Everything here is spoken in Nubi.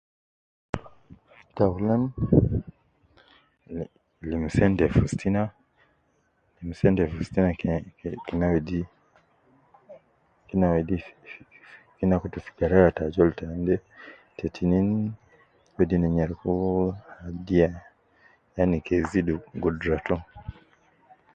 Taulan, li lim sente fi ustu ina ,lim sente fi ustu ina kena kena ,kena wedi fi fi kena kutu fi garaya te azol tan de, te tinin wedi ne nyereku gear yani ke zidu gudura to